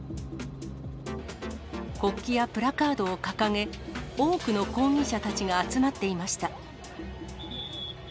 国旗やプラカードを掲げ、多くの抗議者たちが集まっていました。